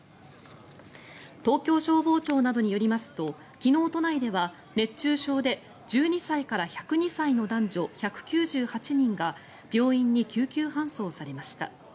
東京消防庁などによりますと昨日、都内では熱中症で１２歳から１０２歳の男女１９８人が病院に救急搬送されました。